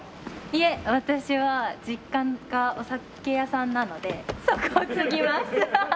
いえ私は実家がお酒屋さんなのでそこを継ぎます。